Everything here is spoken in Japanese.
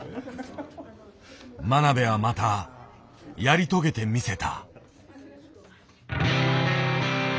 真鍋はまたやり遂げてみせた。